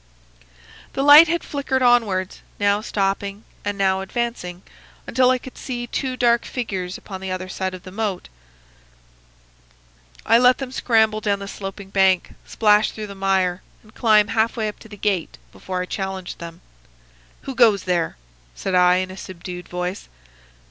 "The light had flickered onwards, now stopping and now advancing, until I could see two dark figures upon the other side of the moat. I let them scramble down the sloping bank, splash through the mire, and climb half way up to the gate, before I challenged them. "'Who goes there?' said I, in a subdued voice.